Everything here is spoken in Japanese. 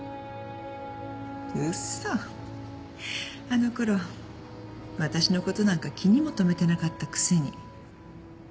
あのころ私のことなんか気にも留めてなかったくせに。